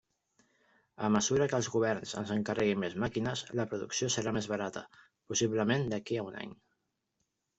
A mesura que els governs ens encarreguin més màquines, la producció serà més barata, possiblement d'aquí a un any.